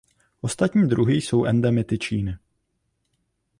Ostatní druhy jsou endemity Číny.